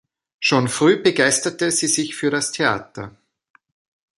Schon früh begeisterte sie sich für das Theater.